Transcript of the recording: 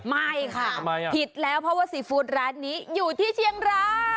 ไม่ค่ะผิดแล้วเพราะว่าซีฟู้ดร้านนี้อยู่ที่เชียงราย